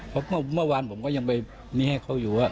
เพราะว่าเมื่อวานผมก็ยังไปเนี่ยเขาอยู่